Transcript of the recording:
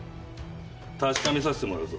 確かめさせてもらうぞ。